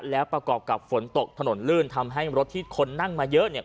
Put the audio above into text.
แล้วประกอบกับฝนตกถนนลื่นทำให้รถที่คนนั่งมาเยอะเนี่ย